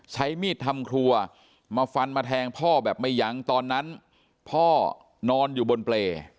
ใช้มีดทำครัวมาฟันมาแทงพ่อแบบไม่ยั้งตอนนั้นพ่อนอนอยู่บนเปรย์